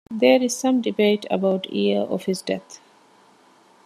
There is some debate about the year of his death.